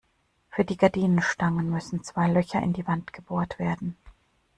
Für die Gardinenstange müssen zwei Löcher in die Wand gebohrt werden.